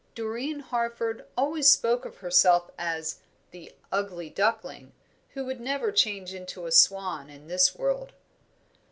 Doreen Harford always spoke of herself as the "ugly duckling," who would never change into a swan in this world.